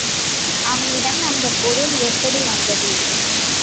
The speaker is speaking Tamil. அவனிடம் அந்தப் பொருள் எப்படி வந்தது?